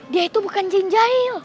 dia itu bukan jin jahil